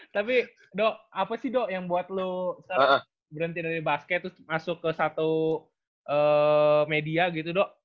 tapi do apa sih do yang buat lo berhenti dari basket masuk ke satu media gitu do